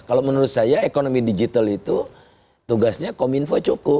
kalau menurut saya ekonomi digital itu tugasnya kominfo cukup